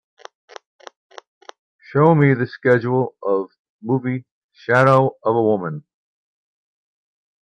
show me the schedule of movie Shadow of a Woman